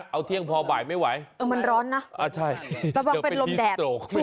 เอาเที่ยงพอบ่ายไม่ไหวเออมันร้อนนะอ่าใช่ระวังเป็นลมแดด